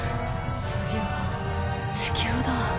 次は地球だ。